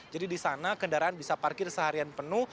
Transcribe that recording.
jadi di sana kendaraan bisa parkir seharian penuh